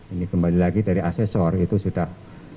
ini kembali lagi dari asesor itu sudah